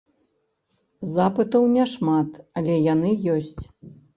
Запытаў няшмат, але яны ёсць.